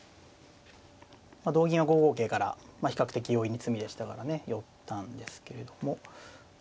同銀は５五桂から比較的容易に詰みでしたからね寄ったんですけれども。